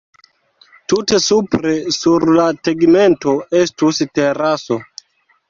Tute supre, sur la “tegmento”, estus teraso.